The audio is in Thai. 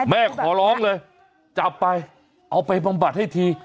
ขอร้องเลยจับไปเอาไปบำบัดให้ที